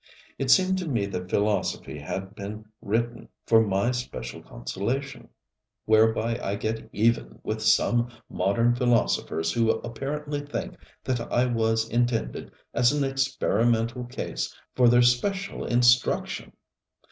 It seemed to me that philosophy had been written for my special consolation, whereby I get even with some modern philosophers who apparently think that I was intended as an experimental case for their special instruction!